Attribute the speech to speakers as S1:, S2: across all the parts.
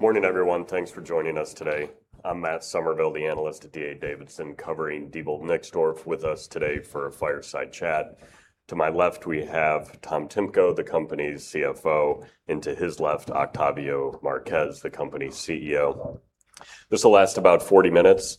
S1: Morning, everyone. Thanks for joining us today. I'm Matt Summerville, the analyst at D.A. Davidson covering Diebold Nixdorf. With us today for a fireside chat, to my left, we have Tom Timko, the company's CFO, and to his left, Octavio Marquez, the company's CEO. This will last about 40 minutes.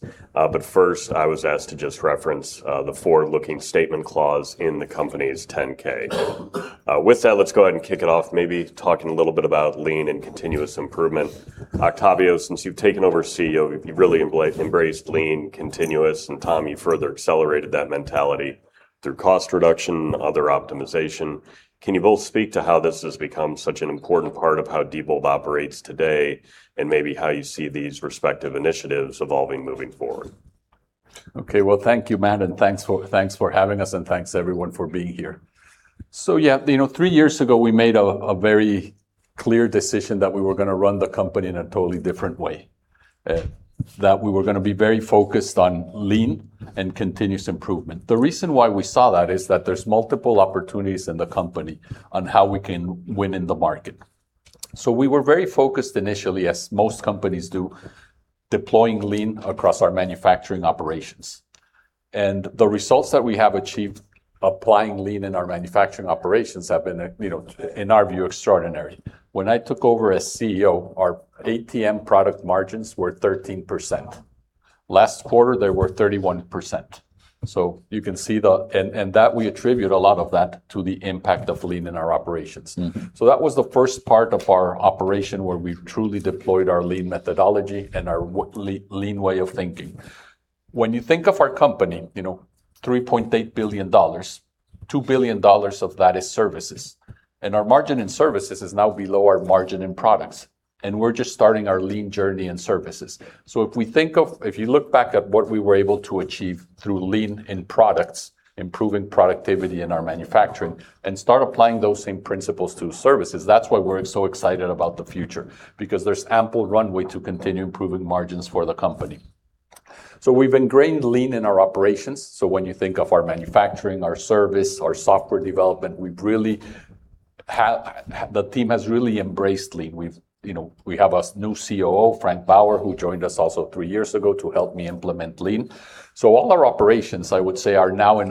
S1: First, I was asked to just reference the forward-looking statement clause in the company's Form 10-K. With that, let's go ahead and kick it off, maybe talking a little bit about lean and continuous improvement. Octavio, since you've taken over as CEO, you've really embraced lean continuous, Tom, you've further accelerated that mentality through cost reduction and other optimization. Can you both speak to how this has become such an important part of how Diebold operates today, and maybe how you see these respective initiatives evolving moving forward?
S2: Well, thank you, Matt, and thanks for having us, and thanks, everyone, for being here. Three years ago, we made a very clear decision that we were going to run the company in a totally different way, and that we were going to be very focused on lean and continuous improvement. The reason why we saw that is that there's multiple opportunities in the company on how we can win in the market. We were very focused initially, as most companies do, deploying lean across our manufacturing operations. The results that we have achieved applying lean in our manufacturing operations have been, in our view, extraordinary. When I took over as CEO, our ATM product margins were 13%. Last quarter, they were 31%. That, we attribute a lot of that to the impact of lean in our operations. That was the first part of our operation where we've truly deployed our lean methodology and our lean way of thinking. When you think of our company, $3.8 billion, $2 billion of that is services. Our margin in services is now below our margin in products, and we're just starting our lean journey in services. If you look back at what we were able to achieve through lean in products, improving productivity in our manufacturing, and start applying those same principles to services, that's why we're so excited about the future, because there's ample runway to continue improving margins for the company. We've ingrained lean in our operations, when you think of our manufacturing, our service, our software development, the team has really embraced lean. We have a new COO, Frank Baur, who joined us also three years ago to help me implement lean. All our operations, I would say, are now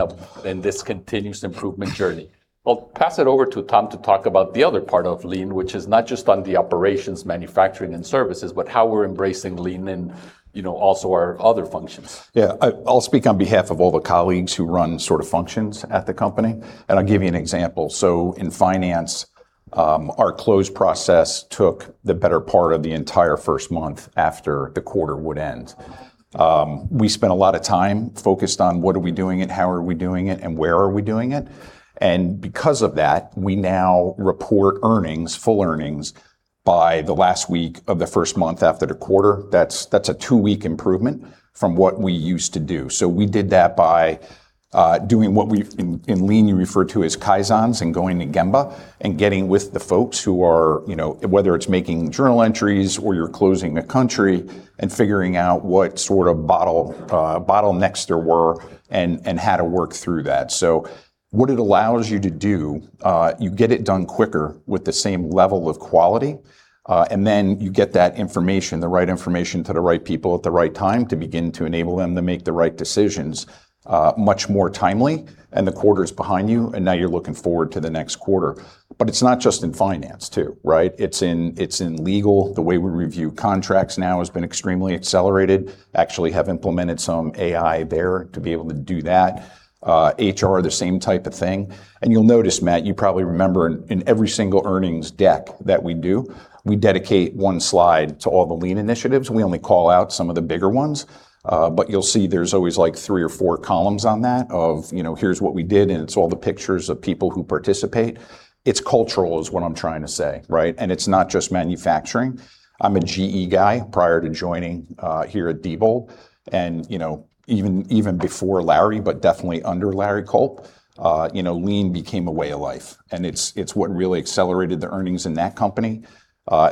S2: in this continuous improvement journey. I'll pass it over to Tom to talk about the other part of lean, which is not just on the operations, manufacturing, and services, but how we're embracing lean in also our other functions.
S3: Yeah. I'll speak on behalf of all the colleagues who run sort of functions at the company, and I'll give you an example. In finance, our close process took the better part of the entire first month after the quarter would end. We spent a lot of time focused on what are we doing and how are we doing it and where are we doing it, and because of that, we now report earnings, full earnings, by the last week of the first month after the quarter. That's a two-week improvement from what we used to do. We did that by doing what we in lean, you refer to as Kaizen and going to Gemba and getting with the folks who are, whether it's making journal entries or you're closing a country, and figuring out what sort of bottlenecks there were and how to work through that. What it allows you to do, you get it done quicker with the same level of quality, and then you get that information, the right information to the right people at the right time to begin to enable them to make the right decisions much more timely, and the quarter's behind you, and now you're looking forward to the next quarter. It's not just in finance, too, right? It's in legal. The way we review contracts now has been extremely accelerated. We actually have implemented some AI there to be able to do that. HR, the same type of thing. You'll notice, Matt, you probably remember in every single earnings deck that we do, we dedicate one slide to all the lean initiatives, and we only call out some of the bigger ones. You'll see there's always three or four columns on that of, here's what we did, and it's all the pictures of people who participate. It's cultural, is what I'm trying to say, right? It's not just manufacturing. I'm a GE guy, prior to joining here at Diebold, and even before Larry, but definitely under Larry Culp, lean became a way of life, and it's what really accelerated the earnings in that company.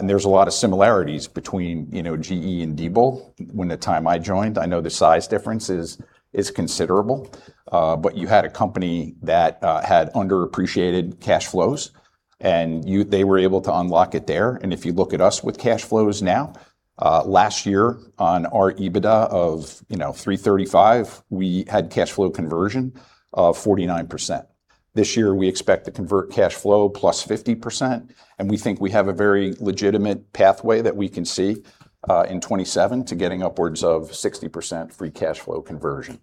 S3: There's a lot of similarities between GE and Diebold when the time I joined. I know the size difference is considerable. You had a company that had underappreciated cash flows, and they were able to unlock it there. If you look at us with cash flows now, last year, on our EBITDA of $335 million, we had cash flow conversion of 49%. This year, we expect to convert cash flow +50%. We think we have a very legitimate pathway that we can see, in 2027, to getting upwards of 60% free cash flow conversion.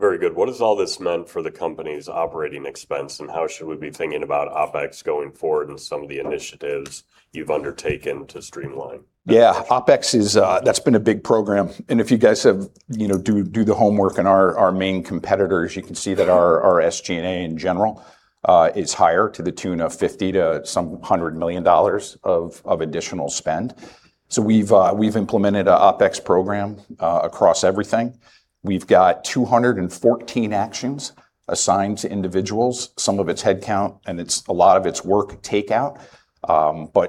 S1: Very good. What has all this meant for the company's operating expense, how should we be thinking about OpEx going forward and some of the initiatives you've undertaken to streamline?
S3: Yeah. OpEx, that's been a big program. If you guys do the homework on our main competitors, you can see that our SG&A, in general, is higher to the tune of $50 million-$100 million of additional spend. We've implemented an OpEx program across everything. We've got 214 actions assigned to individuals. Some of it's headcount, a lot of it's work takeout.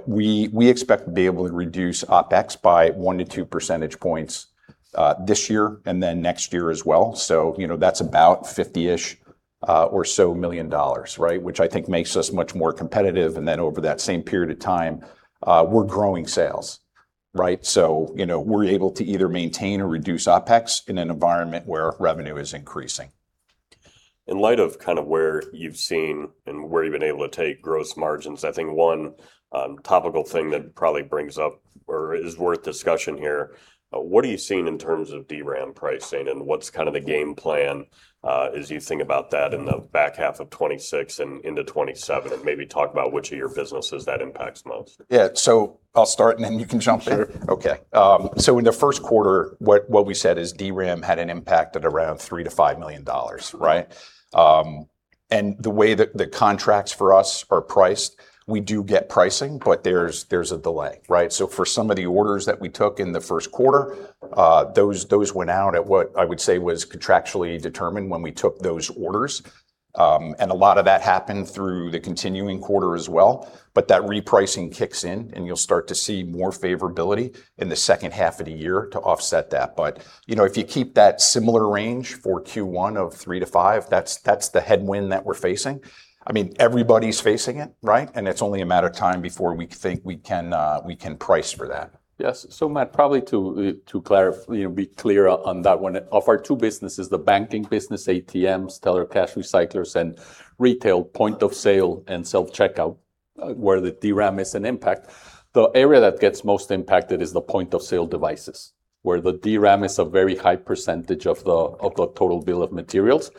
S3: We expect to be able to reduce OpEx by one to two percentage points this year and then next year as well. That's about $50 million-ish or so, which I think makes us much more competitive. Over that same period of time, we're growing sales. We're able to either maintain or reduce OpEx in an environment where revenue is increasing.
S1: In light of where you've seen and where you've been able to take gross margins, I think one topical thing that probably brings up or is worth discussion here, what are you seeing in terms of DRAM pricing and what's the game plan as you think about that in the back half of 2026 and into 2027, and maybe talk about which of your businesses that impacts most.
S3: Yeah. I'll start and then you can jump in.
S2: Sure.
S3: In the first quarter, what we said is DRAM had an impact at around $3 million-$5 million. The way that the contracts for us are priced, we do get pricing, but there's a delay. For some of the orders that we took in the first quarter, those went out at what I would say was contractually determined when we took those orders. A lot of that happened through the continuing quarter as well, but that repricing kicks in, and you'll start to see more favorability in the second half of the year to offset that. If you keep that similar range for Q1 of $3 million-$5 million, that's the headwind that we're facing. Everybody's facing it. It's only a matter of time before we think we can price for that.
S2: Yes. Matt, probably to be clear on that one. Of our two businesses, the banking business, ATMs, teller cash recyclers, and retail point-of-sale and self-checkout, where the DRAM is an impact, the area that gets most impacted is the point-of-sale devices, where the DRAM is a very high percentage of the total bill-of-materials.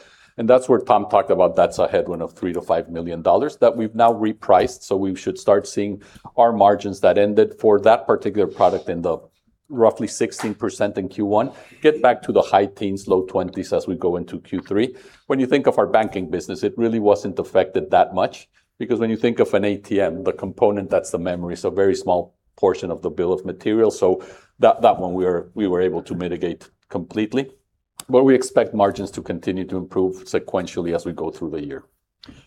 S2: That's where Tom talked about that's a headwind of $3 million-$5 million that we've now repriced, so we should start seeing our margins that ended for that particular product in the roughly 16% in Q1 get back to the high teens, low 20% as we go into Q3. When you think of our banking business, it really wasn't affected that much because when you think of an ATM, the component that's the memory is a very small portion of the bill-of-material. That one, we were able to mitigate completely. We expect margins to continue to improve sequentially as we go through the year.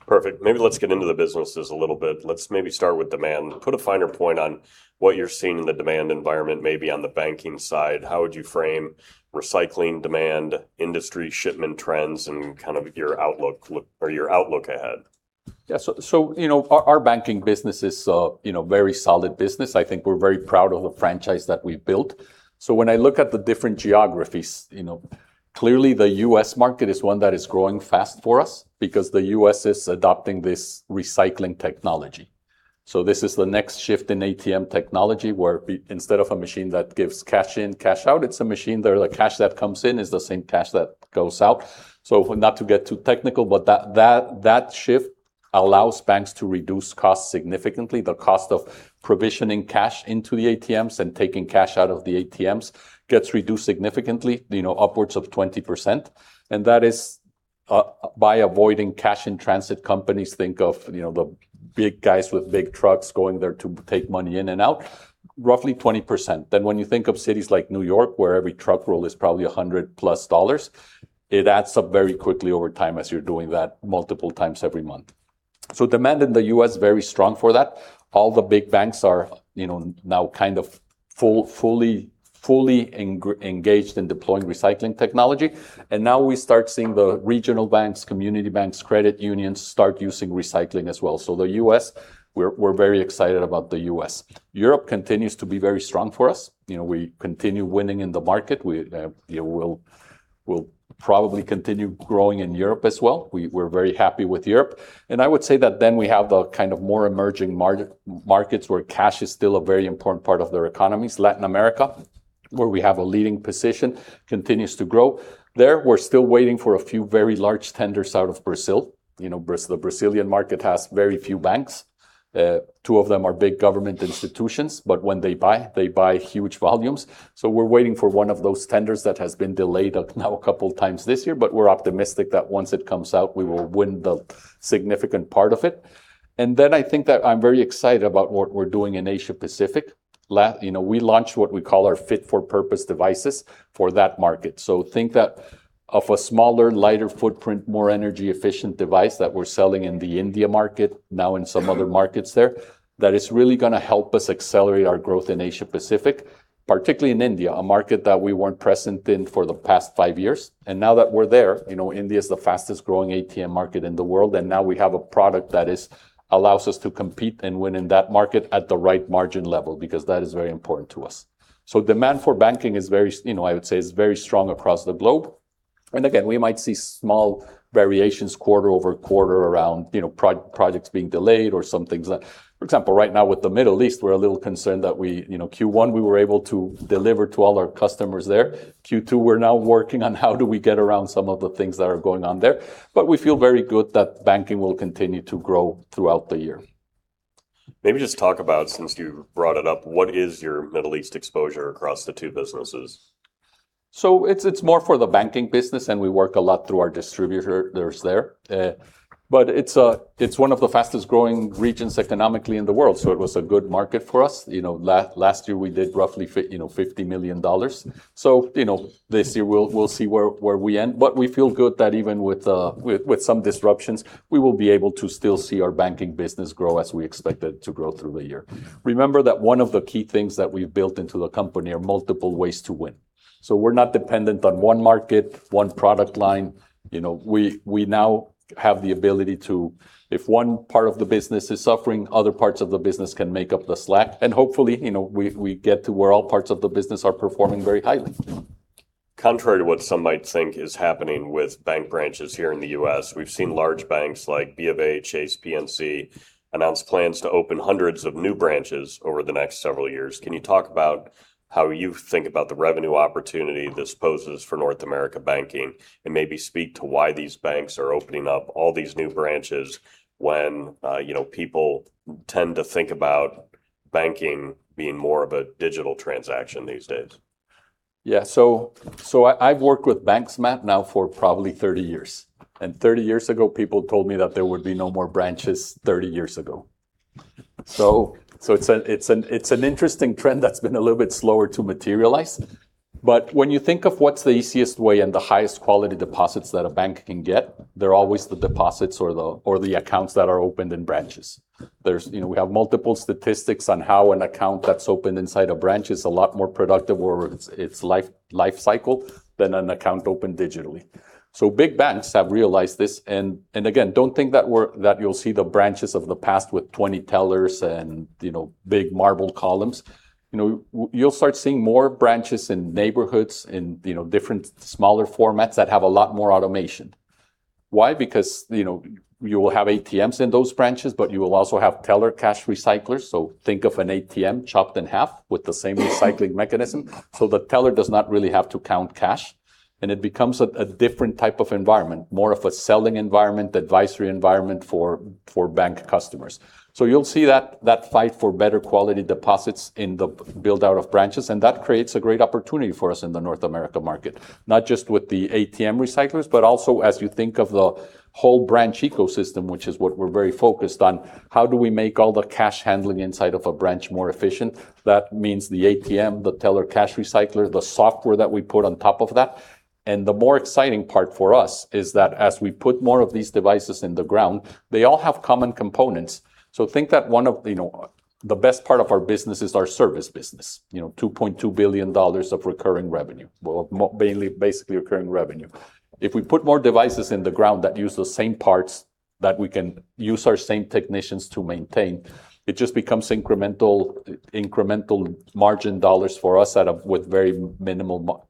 S1: Perfect. Maybe let's get into the businesses a little bit. Let's maybe start with demand. Put a finer point on what you're seeing in the demand environment, maybe on the banking side. How would you frame recycling demand, industry shipment trends, and your outlook ahead?
S2: Yeah. Our banking business is very solid business. I think we're very proud of the franchise that we've built. When I look at the different geographies, clearly the U.S. market is one that is growing fast for us because the U.S. is adopting this recycling technology. This is the next shift in ATM technology, where instead of a machine that gives cash in, cash out, it's a machine the cash that comes in is the same cash that goes out. Not to get too technical, but that shift allows banks to reduce costs significantly. The cost of provisioning cash into the ATMs and taking cash out of the ATMs gets reduced significantly, upwards of 20%, and that is by avoiding cash-in-transit companies. Think of the big guys with big trucks going there to take money in and out, roughly 20%. When you think of cities like New York, where every truck roll is probably $100+, it adds up very quickly over time as you're doing that multiple times every month. Demand in the U.S., very strong for that. All the big banks are now kind of fully engaged in deploying recycling technology. Now we start seeing the regional banks, community banks, credit unions start using recycling as well. The U.S., we're very excited about the U.S. Europe continues to be very strong for us. We continue winning in the market. We'll probably continue growing in Europe as well. We're very happy with Europe. I would say that we have the more emerging markets where cash is still a very important part of their economies. Latin America, where we have a leading position, continues to grow. There, we're still waiting for a few very large tenders out of Brazil. The Brazilian market has very few banks. Two of them are big government institutions, but when they buy, they buy huge volumes. We're waiting for one of those tenders that has been delayed now a couple times this year, but we're optimistic that once it comes out, we will win the significant part of it. I think that I'm very excited about what we're doing in Asia Pacific. We launched what we call our fit-for-purpose devices for that market. Think that of a smaller, lighter footprint, more energy efficient device that we're selling in the India market now in some other markets there, that is really going to help us accelerate our growth in Asia Pacific, particularly in India, a market that we weren't present in for the past five years. Now that we're there, India is the fastest growing ATM market in the world, and now we have a product that allows us to compete and win in that market at the right margin level, because that is very important to us. Demand for banking is very, I would say, is very strong across the globe. Again, we might see small variations quarter-over-quarter around projects being delayed or some things like, for example, right now with the Middle East, we're a little concerned that Q1, we were able to deliver to all our customers there. Q2, we're now working on how do we get around some of the things that are going on there. We feel very good that banking will continue to grow throughout the year.
S1: Maybe just talk about, since you brought it up, what is your Middle East exposure across the two businesses?
S2: It's more for the banking business, and we work a lot through our distributors there. It's one of the fastest growing regions economically in the world, so it was a good market for us. Last year, we did roughly $50 million. This year we'll see where we end, but we feel good that even with some disruptions, we will be able to still see our banking business grow as we expect it to grow through the year. Remember that one of the key things that we've built into the company are multiple ways to win. We're not dependent on one market, one product line. We now have the ability to, if one part of the business is suffering, other parts of the business can make up the slack. Hopefully, we get to where all parts of the business are performing very highly.
S1: Contrary to what some might think is happening with bank branches here in the U.S., we've seen large banks like BofA, Chase, PNC, announce plans to open hundreds of new branches over the next several years. Can you talk about how you think about the revenue opportunity this poses for North America banking, and maybe speak to why these banks are opening up all these new branches when people tend to think about banking being in more of a digital transaction these days?
S2: Yeah. I've worked with banks, Matt, now for probably 30 years. 30 years ago, people told me that there would be no more branches 30 years ago. It's an interesting trend that's been a little bit slower to materialize. When you think of what's the easiest way and the highest quality deposits that a bank can get, they're always the deposits or the accounts that are opened in branches. We have multiple statistics on how an account that's opened inside a branch is a lot more productive or its life cycle than an account opened digitally. Big banks have realized this, and again, don't think that you'll see the branches of the past with 20 tellers and big marble columns. You'll start seeing more branches in neighborhoods, in different smaller formats that have a lot more automation. Why? Because you will have ATMs in those branches, but you will also have teller cash recyclers. Think of an ATM chopped in half with the same recycling mechanism, so the teller does not really have to count cash, and it becomes a different type of environment, more of a selling environment, advisory environment for bank customers. You'll see that fight for better quality deposits in the build-out of branches, and that creates a great opportunity for us in the North America market, not just with the ATM recyclers, but also as you think of the whole branch ecosystem, which is what we're very focused on. How do we make all the cash handling inside of a branch more efficient? That means the ATM, the teller cash recycler, the software that we put on top of that. The more exciting part for us is that as we put more of these devices in the ground, they all have common components. The best part of our business is our service business, $2.2 billion of basically recurring revenue. If we put more devices in the ground that use the same parts, that we can use our same technicians to maintain, it just becomes incremental margin dollars for us with very minimal cost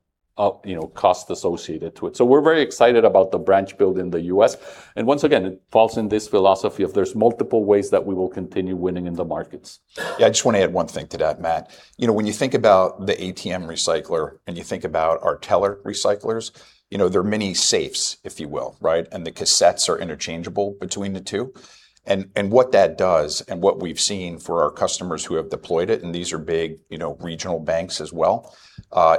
S2: associated to it. We're very excited about the branch build in the U.S., and once again, it falls in this philosophy of there's multiple ways that we will continue winning in the markets.
S3: I just want to add one thing to that, Matt. When you think about the ATM recycler and you think about our teller recyclers, they're mini safes, if you will. Right? The cassettes are interchangeable between the two. What that does and what we've seen for our customers who have deployed it, and these are big regional banks as well,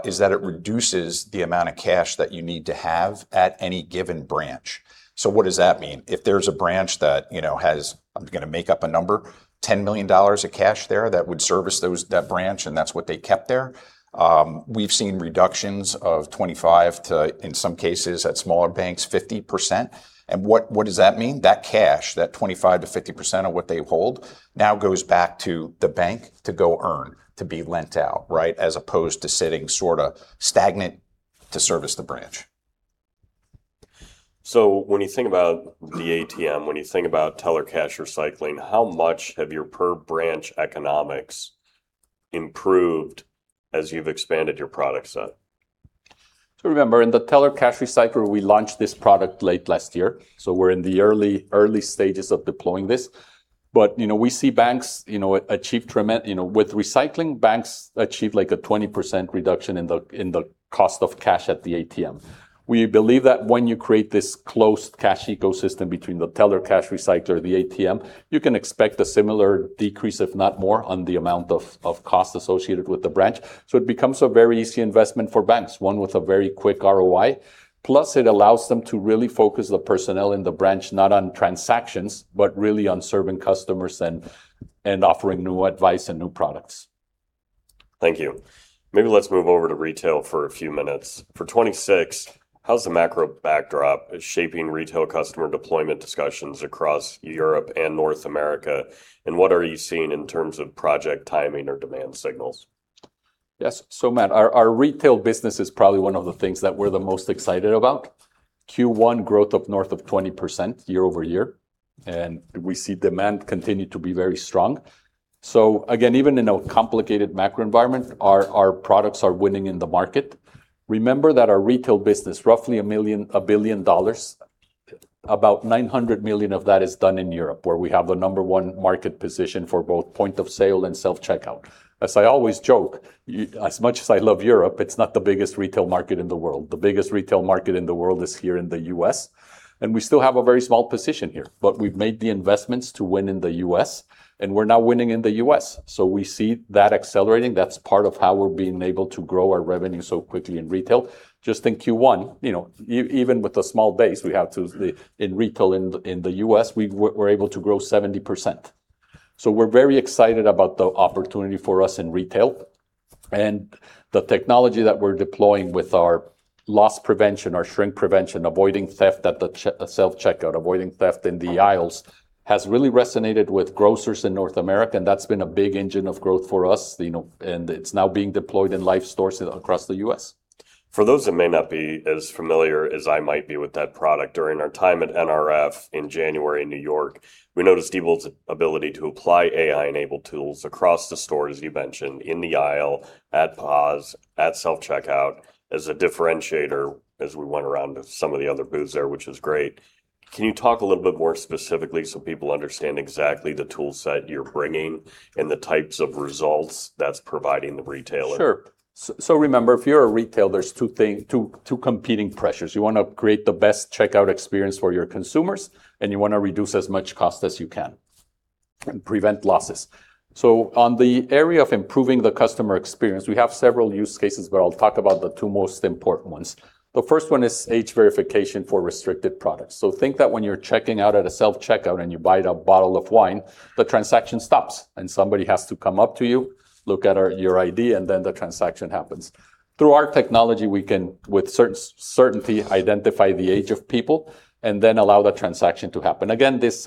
S3: is that it reduces the amount of cash that you need to have at any given branch. What does that mean? If there's a branch that has, I'm going to make up a number, $10 million of cash there that would service that branch, and that's what they kept there. We've seen reductions of 25% to, in some cases at smaller banks, 50%. What does that mean? That cash, that 25%-50% of what they hold now goes back to the bank to go earn, to be lent out, as opposed to sitting stagnant to service the branch.
S1: When you think about the ATM, when you think about teller cash recycling, how much have your per-branch economics improved as you've expanded your product set?
S2: Remember, in the teller cash recycler, we launched this product late last year, so we're in the early stages of deploying this. With recycling, banks achieve a 20% reduction in the cost of cash at the ATM. We believe that when you create this closed cash ecosystem between the teller cash recycler, the ATM, you can expect a similar decrease, if not more, on the amount of cost associated with the branch. It becomes a very easy investment for banks, one with a very quick ROI, plus it allows them to really focus the personnel in the branch, not on transactions, but really on serving customers and offering new advice and new products.
S1: Thank you. Maybe let's move over to retail for a few minutes. For 2026, how's the macro backdrop shaping retail customer deployment discussions across Europe and North America, and what are you seeing in terms of project timing or demand signals?
S2: Yes. Matt, our retail business is probably one of the things that we're the most excited about. Q1 growth up north of 20% year-over-year, and we see demand continue to be very strong. Again, even in a complicated macro environment, our products are winning in the market. Remember that our retail business, roughly $1 billion, about $900 million of that is done in Europe, where we have the number one market position for both point-of-sale and self-checkout. As I always joked, as much as I love Europe, it's not the biggest retail market in the world. The biggest retail market in the world is here in the U.S., and we still have a very small position here. We've made the investments to win in the U.S., and we're now winning in the U.S. We see that accelerating. That's part of how we're being able to grow our revenue so quickly in retail. Just in Q1, even with the small base we have in retail in the U.S., we were able to grow 70%. We're very excited about the opportunity for us in retail, and the technology that we're deploying with our loss prevention, our shrink prevention, avoiding theft at the self-checkout, avoiding theft in the aisles, has really resonated with grocers in North America, and that's been a big engine of growth for us. It's now being deployed in live stores across the U.S.
S1: For those that may not be as familiar as I might be with that product, during our time at NRF in January in New York, we noticed Diebold's ability to apply AI-enabled tools across the store, as you mentioned, in the aisle, at POS, at self-checkout, as a differentiator as we went around to some of the other booths there, which is great. Can you talk a little bit more specifically so people understand exactly the tool set you're bringing and the types of results that's providing the retailer?
S2: Sure. Remember, if you're a retailer, there's two competing pressures. You want to create the best checkout experience for your consumers, and you want to reduce as much cost as you can, and prevent losses. On the area of improving the customer experience, we have several use cases, but I'll talk about the two most important ones. The first one is age verification for restricted products. Think that when you're checking out at a self-checkout and you buy a bottle of wine, the transaction stops, and somebody has to come up to you, look at your ID, and then the transaction happens. Through our technology, we can, with certainty, identify the age of people, and then allow the transaction to happen. Again, this,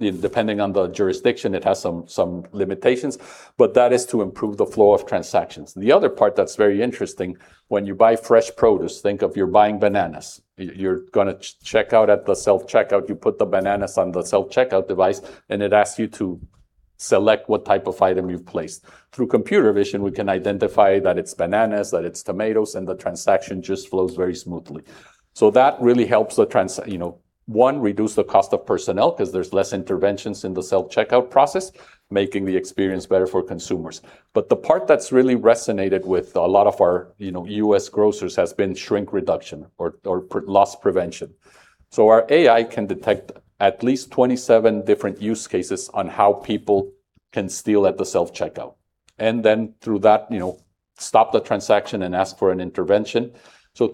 S2: depending on the jurisdiction, it has some limitations, but that is to improve the flow of transactions. The other part that's very interesting, when you buy fresh produce, think of you're buying bananas. You're going to check out at the self-checkout. You put the bananas on the self-checkout device, and it asks you to select what type of item you've placed. Through computer vision, we can identify that it's bananas, that it's tomatoes, and the transaction just flows very smoothly. That really helps, one, reduce the cost of personnel because there's less interventions in the self-checkout process, making the experience better for consumers. The part that's really resonated with a lot of our U.S. grocers has been shrink reduction or loss prevention. Our AI can detect at least 27 different use cases on how people can steal at the self-checkout. Through that, stop the transaction and ask for an intervention.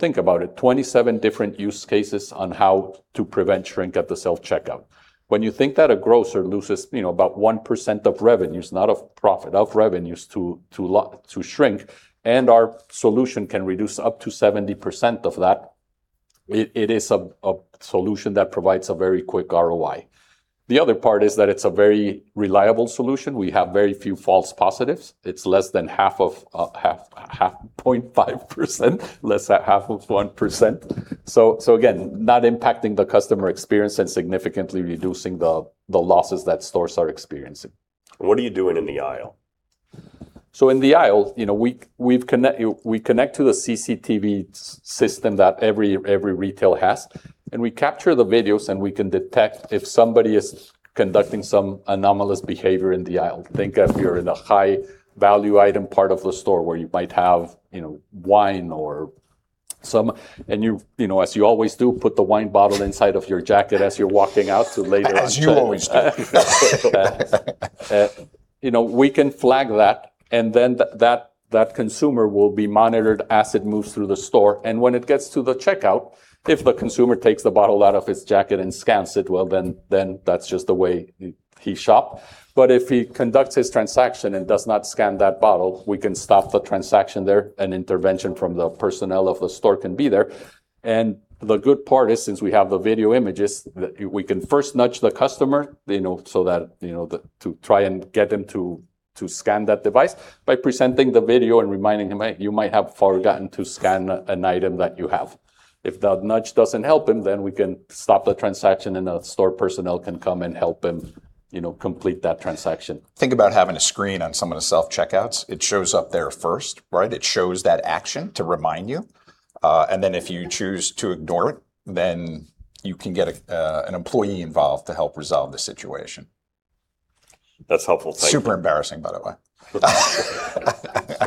S2: Think about it, 27 different use cases on how to prevent shrink at the self-checkout. When you think that a grocer loses about 1% of revenues, not of profit, of revenues to shrink, and our solution can reduce up to 70% of that, it is a solution that provides a very quick ROI. The other part is that it's a very reliable solution. We have very few false positives. It's less than 0.5%, less than half of 1%. Again, not impacting the customer experience and significantly reducing the losses that stores are experiencing.
S1: What are you doing in the aisle?
S2: In the aisle, we connect to the CCTV system that every retail has. We capture the videos, and we can detect if somebody is conducting some anomalous behavior in the aisle. Think if you're in a high-value item part of the store where you might have wine or some, as you always do, put the wine bottle inside of your jacket as you're walking out to later.
S1: As you always do.
S2: We can flag that, then that consumer will be monitored as it moves through the store. When it gets to the checkout, if the consumer takes the bottle out of his jacket and scans it, well, that's just the way he shop, but if he conducts his transaction and does not scan that bottle, we can stop the transaction there. An intervention from the personnel of the store can be there. The good part is, since we have the video images, we can first nudge the customer to try and get him to scan that device by presenting the video and reminding him, hey, you might have forgotten to scan an item that you have. If that nudge doesn't help him, we can stop the transaction, and the store personnel can come and help him complete that transaction. Think about having a screen on some of the self-checkouts. It shows up there first. It shows that action to remind you. Then if you choose to ignore it, you can get an employee involved to help resolve the situation.
S1: That's helpful. Thank you.
S2: Super embarrassing, by the way.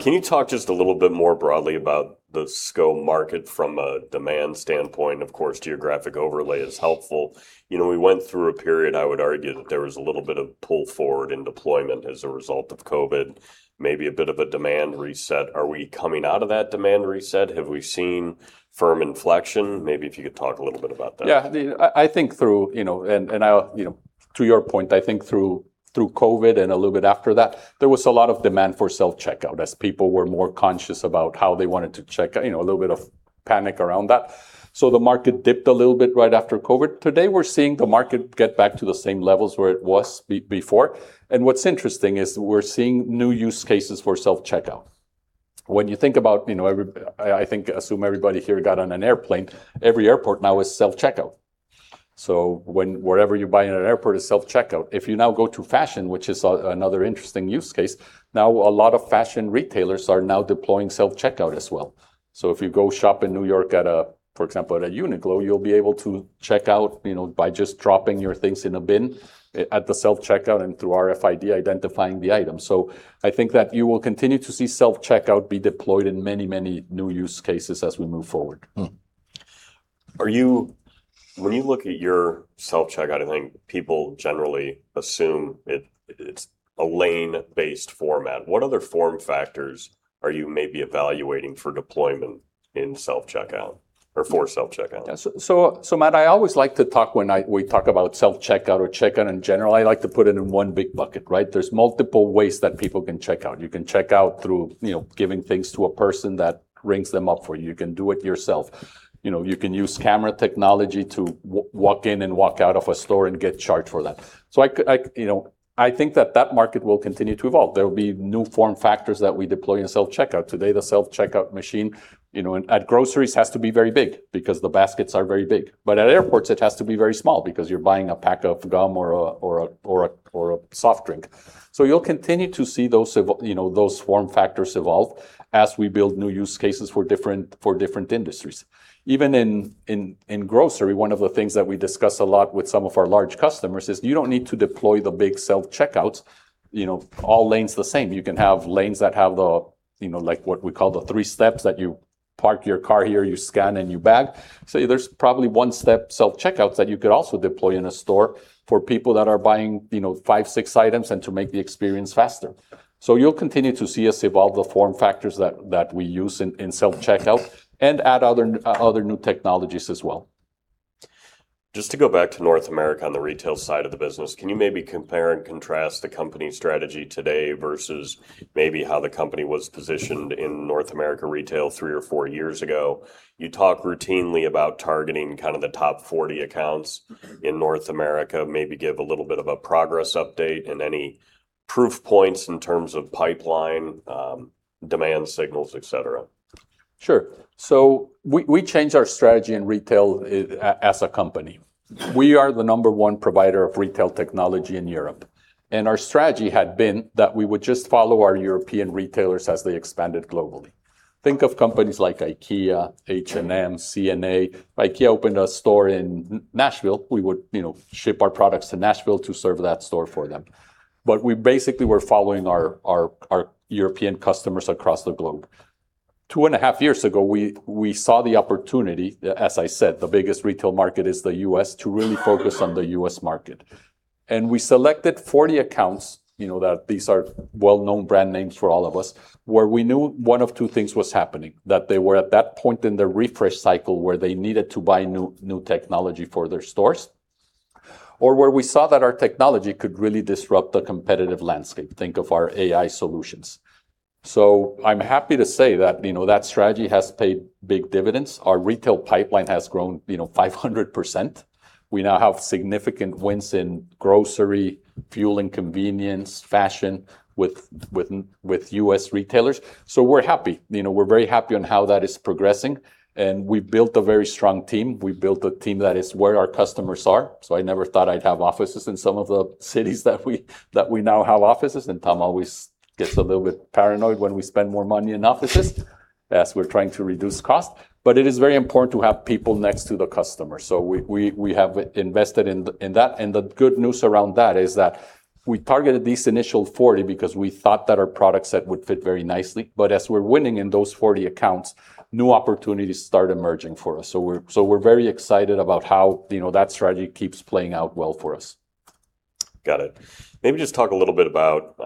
S1: Can you talk just a little bit more broadly about the SCO market from a demand standpoint? Of course, geographic overlay is helpful. We went through a period, I would argue that there was a little bit of pull forward in deployment as a result of COVID, maybe a bit of a demand reset. Are we coming out of that demand reset? Have we seen firm inflection? Maybe if you could talk a little bit about that.
S2: Yeah. To your point, I think through COVID, and a little bit after that, there was a lot of demand for self-checkout as people were more conscious about how they wanted to check out. A little bit of panic around that. The market dipped a little bit right after COVID. Today, we're seeing the market get back to the same levels where it was before. What's interesting is we're seeing new use cases for self-checkout. When you think about, I assume everybody here got on an airplane. Every airport now is self-checkout. Wherever you buy in an airport is self-checkout. If you now go to fashion, which is another interesting use case, a lot of fashion retailers are now deploying self-checkout as well. If you go shop in New York at a, for example, at a Uniqlo, you'll be able to check out by just dropping your things in a bin at the self-checkout and through RFID identifying the item. I think that you will continue to see self-checkout be deployed in many new use cases as we move forward.
S1: When you look at your self-checkout, I think people generally assume it's a lane-based format. What other form factors are you maybe evaluating for deployment in self-checkout or for self-checkout?
S2: Matt, I always like to talk when we talk about self-checkout or checkout in general, I like to put it in one big bucket. There's multiple ways that people can check out. You can check out through giving things to a person that rings them up for you. You can do it yourself. You can use camera technology to walk in and walk out of a store and get charged for that. I think that that market will continue to evolve. There will be new form factors that we deploy in self-checkout. Today, the self-checkout machine at groceries has to be very big because the baskets are very big. At airports, it has to be very small because you're buying a pack of gum or a soft drink. You'll continue to see those form factors evolve as we build new use cases for different industries. Even in grocery, one of the things that we discuss a lot with some of our large customers is you don't need to deploy the big self-checkouts all lanes the same. You can have lanes that have what we call the three steps that you park your car here, you scan, and you bag. There's probably one-step self-checkouts that you could also deploy in a store for people that are buying five, six items, and to make the experience faster. You'll continue to see us evolve the form factors that we use in self-checkout and add other new technologies as well.
S1: Just to go back to North America on the retail side of the business, can you maybe compare and contrast the company strategy today versus maybe how the company was positioned in North America retail three or four years ago? You talk routinely about targeting the top 40 accounts in North America. Maybe give a little bit of a progress update and any proof points in terms of pipeline, demand signals, et cetera.
S2: Sure. We changed our strategy in retail as a company. We are the number one provider of retail technology in Europe, and our strategy had been that we would just follow our European retailers as they expanded globally. Think of companies like IKEA, H&M, C&A. If IKEA opened a store in Nashville, we would ship our products to Nashville to serve that store for them. We basically were following our European customers across the globe. Two and a half years ago, we saw the opportunity, as I said, the biggest retail market is the U.S., to really focus on the U.S. market. We selected 40 accounts, that these are well-known brand names for all of us, where we knew one of two things was happening, that they were at that point in their refresh cycle where they needed to buy new technology for their stores, or where we saw that our technology could really disrupt the competitive landscape. Think of our AI solutions. I'm happy to say that strategy has paid big dividends. Our retail pipeline has grown 500%. We now have significant wins in grocery, fuel and convenience, fashion, with U.S. retailers. We're happy. We're very happy on how that is progressing, and we've built a very strong team. We've built a team that is where our customers are. I never thought I'd have offices in some of the cities that we now have offices. Tom always gets a little bit paranoid when we spend more money on offices as we're trying to reduce cost. It is very important to have people next to the customer. We have invested in that. The good news around that is that we targeted these initial 40 because we thought that our product set would fit very nicely. As we're winning in those 40 accounts, new opportunities start emerging for us. We're very excited about how that strategy keeps playing out well for us.
S1: Got it. Maybe just talk a little bit about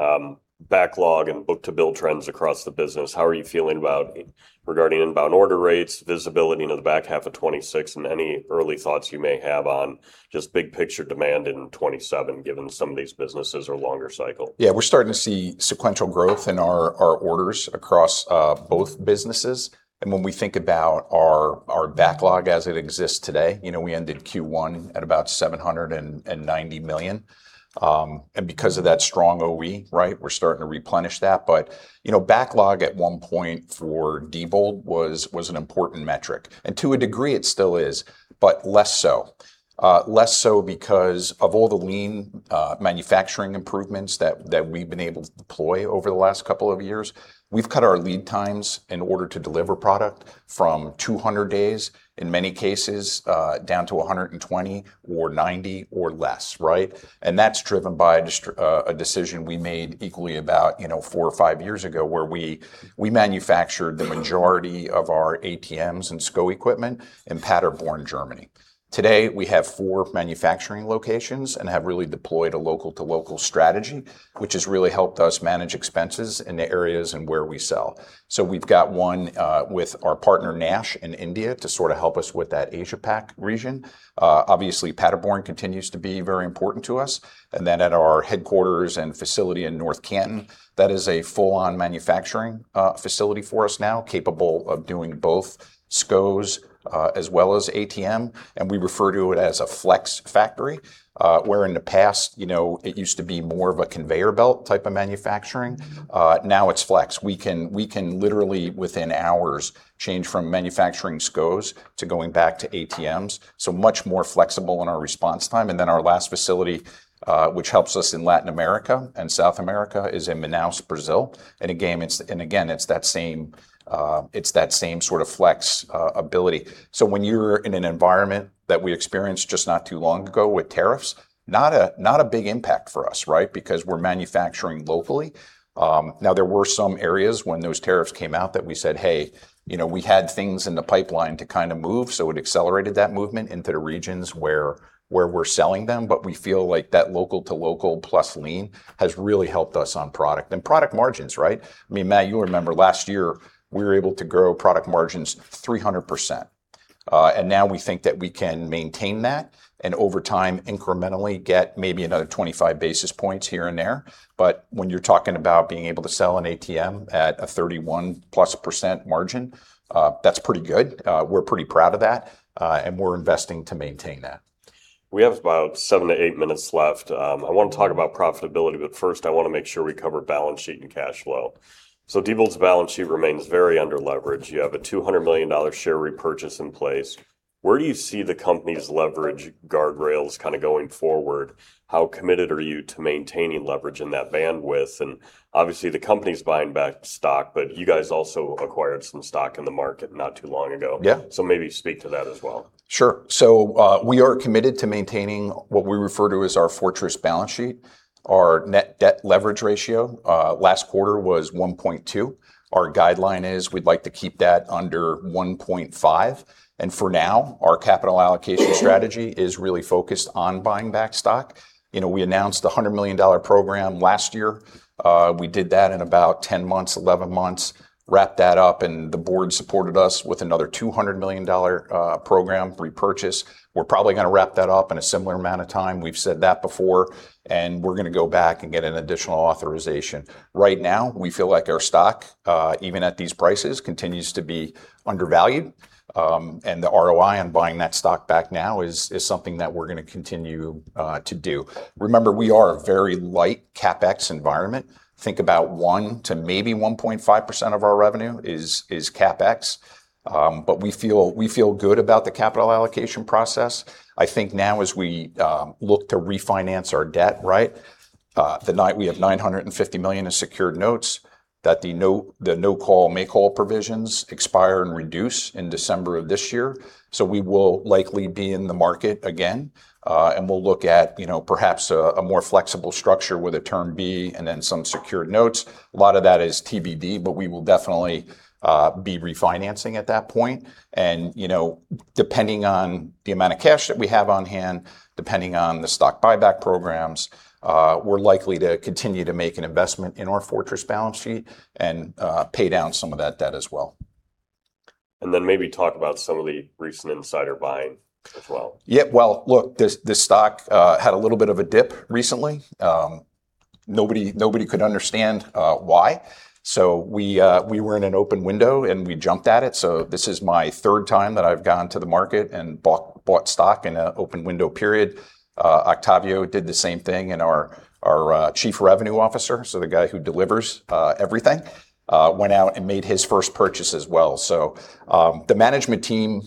S1: backlog and book-to-bill trends across the business. How are you feeling about regarding inbound order rates, visibility into the back half of 2026, and any early thoughts you may have on just big picture demand in 2027, given some of these businesses are longer cycle?
S3: We're starting to see sequential growth in our orders across both businesses. When we think about our backlog as it exists today, we ended Q1 at about $790 million. Because of that strong OE, we're starting to replenish that. Backlog at one point for Diebold was an important metric, and to a degree it still is, but less so. Less so because of all the lean manufacturing improvements that we've been able to deploy over the last couple of years. We've cut our lead times in order to deliver product from 200 days, in many cases, down to 120 or 90 or less. That's driven by a decision we made equally about four or five years ago, where we manufactured the majority of our ATMs and SCO equipment in Paderborn, Germany. Today, we have four manufacturing locations and have really deployed a local-to-local strategy, which has really helped us manage expenses in the areas in where we sell. We've got one with our partner, NASH, in India to sort of help us with that Asia-Pac region. Obviously, Paderborn continues to be very important to us. Then at our headquarters and facility in North Canton, that is a full-on manufacturing facility for us now, capable of doing both SCOs as well as ATM. We refer to it as a flex factory, where in the past, it used to be more of a conveyor belt type of manufacturing. Now it's flex. We can literally, within hours, change from manufacturing SCOs to going back to ATMs, so much more flexible in our response time. Then our last facility, which helps us in Latin America and South America, is in Manaus, Brazil. Again, it's that same sort of flexibility. When you're in an environment that we experienced just not too long ago with tariffs, not a big impact for us because we're manufacturing locally. There were some areas when those tariffs came out that we said, hey, we had things in the pipeline to kind of move, so it accelerated that movement into the regions where we're selling them, but we feel like that local-to-local plus lean has really helped us on product. Product margins, right? I mean, Matt, you'll remember last year, we were able to grow product margins 300%, and now we think that we can maintain that, and over time incrementally get maybe another 25 basis points here and there. When you're talking about being able to sell an ATM at a 31%+ margin, that's pretty good. We're pretty proud of that, and we're investing to maintain that.
S1: We have about seven to eight minutes left. I want to talk about profitability, but first, I want to make sure we cover balance sheet and cash flow. Diebold's balance sheet remains very underleveraged. You have a $200 million share repurchase in place. Where do you see the company's leverage guardrails going forward? How committed are you to maintaining leverage in that bandwidth? Obviously the company's buying back stock, but you guys also acquired some stock in the market not too long ago.
S3: Yeah.
S1: Maybe speak to that as well.
S3: Sure. We are committed to maintaining what we refer to as our fortress balance sheet. Our net debt leverage ratio last quarter was 1.2x. Our guideline is we'd like to keep that under 1.5x. For now, our capital allocation strategy is really focused on buying back stock. We announced the $100 million program last year. We did that in about 10 months, 11 months, wrapped that up, and the board supported us with another $200 million program repurchase. We're probably going to wrap that up in a similar amount of time. We've said that before. We're going to go back and get an additional authorization. Right now, we feel like our stock, even at these prices, continues to be undervalued. The ROI on buying that stock back now is something that we're going to continue to do. Remember, we are a very light CapEx environment. Think about 1%-1.5% of our revenue is CapEx, but we feel good about the capital allocation process. I think now as we look to refinance our debt, we have $950 million in secured notes that the no-call/make-whole provisions expire and reduce in December of this year. We will likely be in the market again. We'll look at perhaps a more flexible structure with a Term B and then some secured notes. A lot of that is TBD. We will definitely be refinancing at that point. Depending on the amount of cash that we have on hand, depending on the stock buyback programs, we're likely to continue to make an investment in our fortress balance sheet and pay down some of that debt as well.
S1: Maybe talk about some of the recent insider buying as well.
S3: Yeah. Well, look, the stock had a little bit of a dip recently. Nobody could understand why. We were in an open window, and we jumped at it. This is my third time that I've gone to the market and bought stock in an open window period. Octavio did the same thing, and our Chief Revenue Officer, so the guy who delivers everything, went out and made his first purchase as well. The management team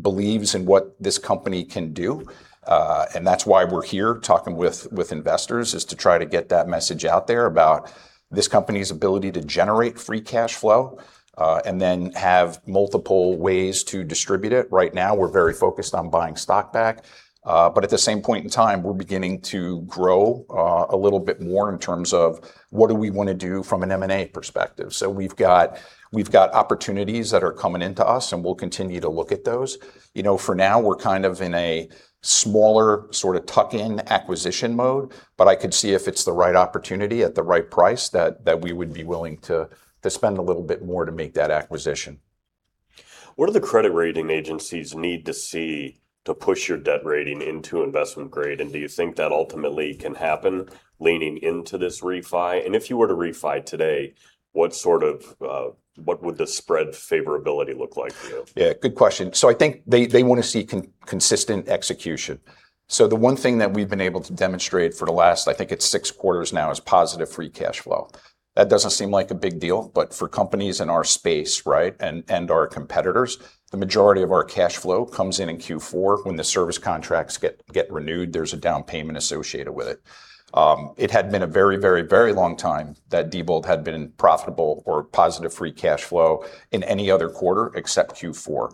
S3: believes in what this company can do. That's why we're here talking with investors, is to try to get that message out there about this company's ability to generate free cash flow, and then have multiple ways to distribute it. Right now, we're very focused on buying stock back. At the same point in time, we're beginning to grow a little bit more in terms of what do we want to do from an M&A perspective. We've got opportunities that are coming into us, and we'll continue to look at those. For now, we're kind of in a smaller sort of tuck-in acquisition mode, but I could see if it's the right opportunity at the right price, that we would be willing to spend a little bit more to make that acquisition.
S1: What do the credit rating agencies need to see to push your debt rating into investment grade? Do you think that ultimately can happen leaning into this refi? If you were to refi today, what would the spread favorability look like for you?
S3: Yeah, good question. I think they want to see consistent execution. The one thing that we've been able to demonstrate for the last, I think it's six quarters now, is positive free cash flow. That doesn't seem like a big deal, but for companies in our space and our competitors, the majority of our cash flow comes in in Q4. When the service contracts get renewed, there's a down payment associated with it. It had been a very long time that Diebold had been profitable or positive free cash flow in any other quarter except Q4.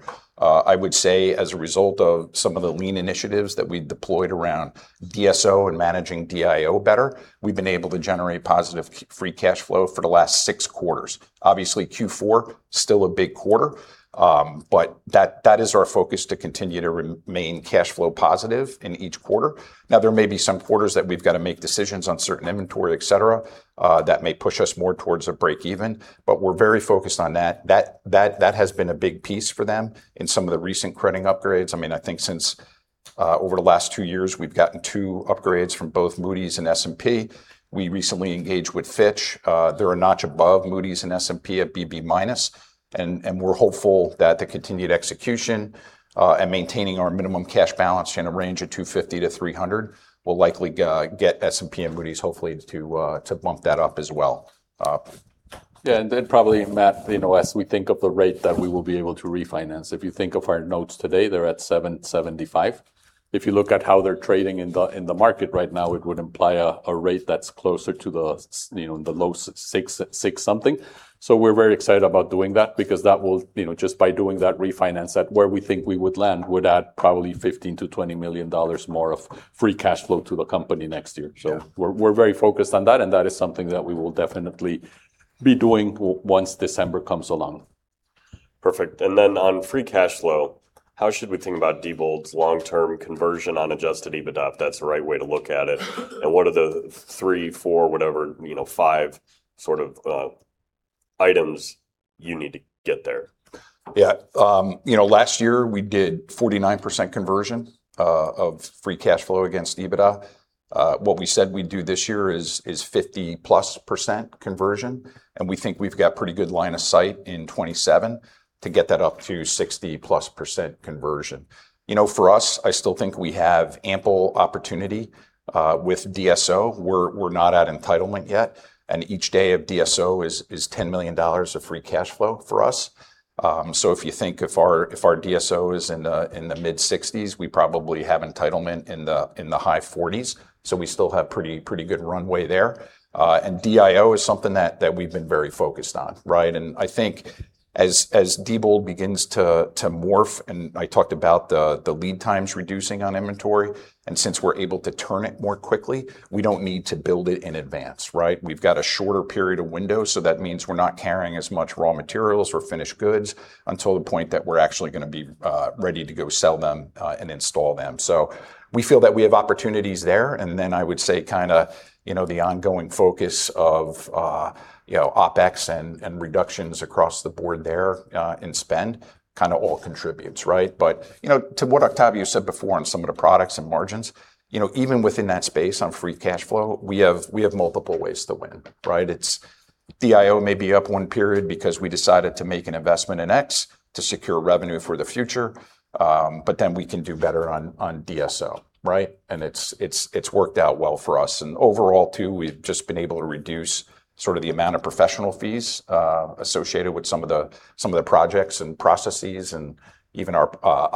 S3: I would say as a result of some of the lean initiatives that we deployed around DSO and managing DIO better, we've been able to generate positive free cash flow for the last six quarters. Obviously, Q4 still a big quarter, but that is our focus to continue to remain cash flow positive in each quarter. There may be some quarters that we've got to make decisions on certain inventory, et cetera, that may push us more towards a break even, but we're very focused on that. That has been a big piece for them in some of the recent crediting upgrades. I think since, over the last two years, we've gotten two upgrades from both Moody's and S&P. We recently engaged with Fitch. They're a notch above Moody's and S&P at BB-, and we're hopeful that the continued execution, and maintaining our minimum cash balance in a range of $250 million-$300 million will likely get S&P and Moody's hopefully to bump that up as well.
S2: Probably, Matt, as we think of the rate that we will be able to refinance, if you think of our notes today, they're at 7.75%. If you look at how they're trading in the market right now, it would imply a rate that's closer to the low 6% something. We're very excited about doing that because just by doing that refinance at where we think we would land, would add probably $15 million-$20 million more of free cash flow to the company next year.
S3: Yeah.
S2: We're very focused on that, and that is something that we will definitely be doing once December comes along.
S1: Perfect. Then on free cash flow, how should we think about Diebold's long-term conversion on adjusted EBITDA, if that's the right way to look at it? What are the three, four, whatever, five sort of items you need to get there?
S3: Last year we did 49% conversion of free cash flow against EBITDA. What we said we'd do this year is 50%+ conversion, and we think we've got pretty good line of sight in 2027 to get that up to 60%+ conversion. For us, I still think we have ample opportunity with DSO. We're not at entitlement yet, and each day of DSO is $10 million of free cash flow for us. If you think if our DSO is in the mid-60%, we probably have entitlement in the high 40%, so we still have pretty good runway there. DIO is something that we've been very focused on. I think as Diebold begins to morph, and I talked about the lead times reducing on inventory, and since we're able to turn it more quickly, we don't need to build it in advance. We've got a shorter period of window, that means we're not carrying as much raw materials or finished goods until the point that we're actually going to be ready to go sell them and install them. We feel that we have opportunities there, then I would say the ongoing focus of OpEx and reductions across the board there in spend all contributes. To what Octavio said before on some of the products and margins, even within that space on free cash flow, we have multiple ways to win. DIO may be up one period because we decided to make an investment in X to secure revenue for the future, then we can do better on DSO. It's worked out well for us. Overall too, we've just been able to reduce the amount of professional fees associated with some of the projects and processes and even our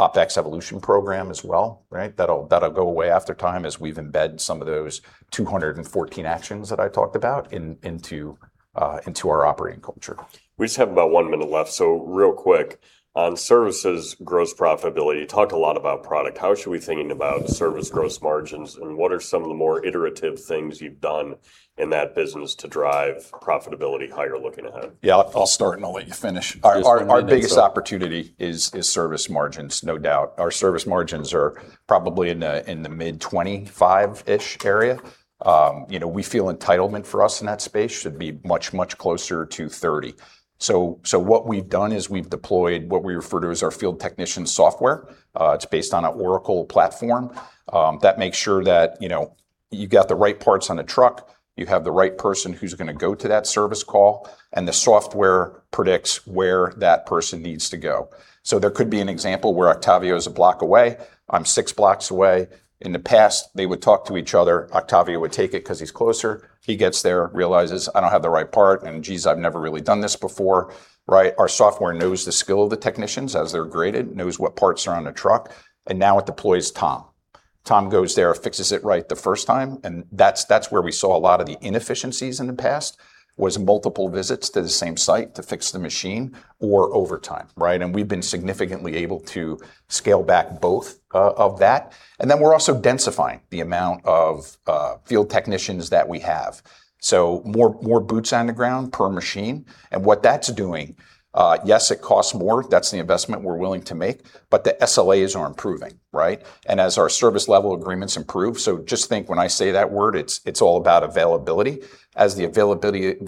S3: OpEx evolution program as well. That'll go away after time as we've embed some of those 214 actions that I talked about into our operating culture.
S1: We just have about one minute left, real quick. On services gross profitability, you talked a lot about product. How should we be thinking about service gross margins, and what are some of the more iterative things you've done in that business to drive profitability higher looking ahead?
S3: Yeah, I'll start, and I'll let you finish.
S2: Just jump in there.
S3: Our biggest opportunity is service margins, no doubt. Our service margins are probably in the mid 25% area. We feel entitlement for us in that space should be much closer to 30%. What we've done is we've deployed what we refer to as our field technician software. It's based on an Oracle platform that makes sure that you got the right parts on the truck, you have the right person who's going to go to that service call, and the software predicts where that person needs to go. There could be an example where Octavio's a block away, I'm six blocks away. In the past, they would talk to each other. Octavio would take it because he's closer. He gets there, realizes, I don't have the right part, and geez, I've never really done this before. Our software knows the skill of the technicians as they're graded, knows what parts are on the truck, and now it deploys Tom. Tom goes there, fixes it right the first time, that's where we saw a lot of the inefficiencies in the past, was multiple visits to the same site to fix the machine, or overtime. We've been significantly able to scale back both of that. We're also densifying the amount of field technicians that we have, so more boots on the ground per machine. What that's doing, yes, it costs more. That's the investment we're willing to make. The SLAs are improving. As our Service-Level Agreements improve, so just think when I say that word, it's all about availability. As the availability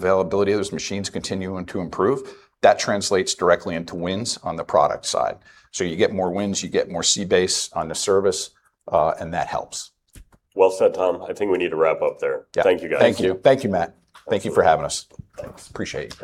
S3: of those machines continue to improve, that translates directly into wins on the product side. You get more wins, you get more C base on the service, and that helps.
S1: Well said, Tom. I think we need to wrap up there.
S3: Yeah.
S1: Thank you, guys.
S3: Thank you, Matt. Thank you for having us.
S1: Thanks.
S2: Appreciate it.